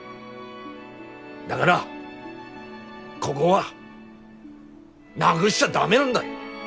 だがらこごはなぐしちゃ駄目なんだよ。